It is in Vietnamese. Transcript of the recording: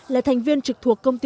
là thành viên trực thuộc công ty